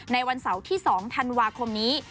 วันเสาร์ที่๒ธันวาคมนี้